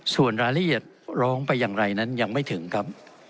ส่วนรายละเอียดร้องไปอย่างไรนั้นยังไม่ถึงครับ